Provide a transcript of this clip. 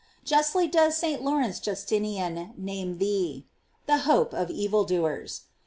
"* Justly does St. Laurence Justinian name thee : "The hope of evil doers."